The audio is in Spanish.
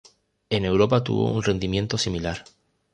En Europa tuvo un rendimiento similar.